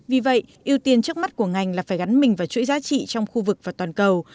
vì vậy ưu tiên trước mắt của ngành là phải gắn mình vào chuỗi giá trị trong khu vực và toàn cầu